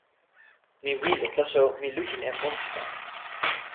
mi wile, taso mi lukin e monsuta mi.